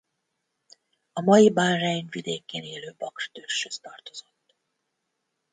A mai Bahrein vidékén élő Bakr törzshöz tartozott.